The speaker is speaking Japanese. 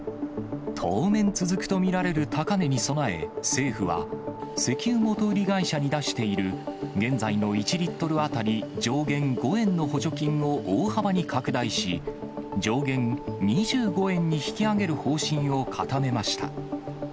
当面続くと見られる高値に備え、政府は、石油元売り会社に出している現在の１リットル当たり上限５円の補助金を大幅に拡大し、上限２５円に引き上げる方針を固めました。